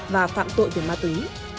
và phạm tội về ma túy